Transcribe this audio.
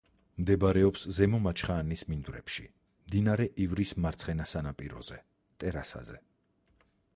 მდებარეობს ზემო მაჩხაანის მინდვრებში, მდინარე ივრის მარცხენა სანაპიროზე, ტერასაზე.